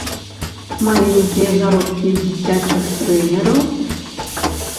Маленькія заробкі дзіцячых трэнераў?